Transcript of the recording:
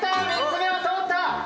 ３つ目は通った！